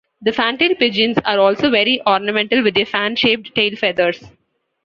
The fantail pigeons are also very ornamental with their fan-shaped tail feathers.